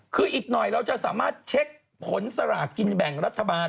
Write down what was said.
คืออีกหน่อยเราจะสามารถเช็คผลสลากกินแบ่งรัฐบาล